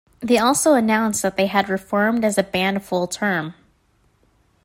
They also announced that they had reformed as a band full term.